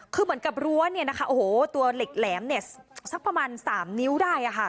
คือเหมือนกับรั้วเนี่ยนะคะโอ้โหตัวเหล็กแหลมเนี่ยสักประมาณ๓นิ้วได้